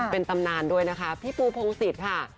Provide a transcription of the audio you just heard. เป็นตำนานด้วยนะคะพี่ปูพงศิษย์ค่ะ